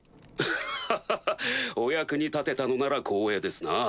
ハハハハお役に立てたのなら光栄ですな。